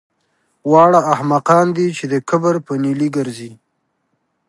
واړه احمقان دي چې د کبر په نیلي ګرځي